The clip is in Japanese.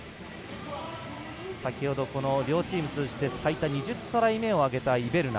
先ほど、両チーム通じて最多２０トライを挙げたイベルナ。